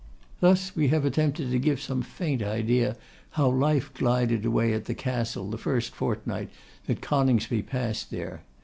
Thus we have attempted to give some faint idea how life glided away at the Castle the first fortnight that Coningsby passed there.